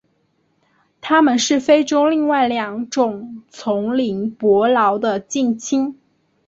它们是非洲另外两种丛林伯劳的近亲。